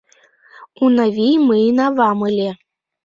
Унавий мыйын авам ыле.